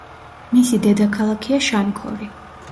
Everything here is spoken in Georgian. მისი დედაქალაქია შამქორი.